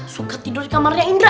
suka tidur di kamarnya indra